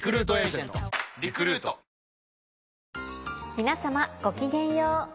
皆さまごきげんよう。